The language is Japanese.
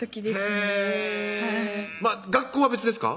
へぇ学校は別ですか？